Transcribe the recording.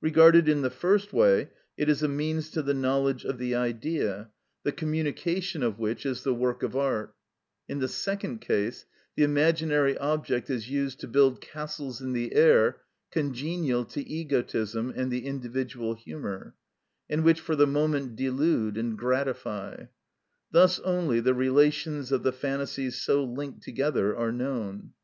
Regarded in the first way, it is a means to the knowledge of the Idea, the communication of which is the work of art; in the second case, the imaginary object is used to build castles in the air congenial to egotism and the individual humour, and which for the moment delude and gratify; thus only the relations of the phantasies so linked together are known.